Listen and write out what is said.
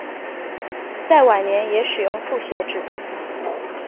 在晚年也使用复写纸。